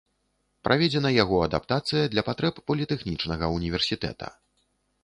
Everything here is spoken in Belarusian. Праведзена яго адаптацыя для патрэб політэхнічнага ўніверсітэта.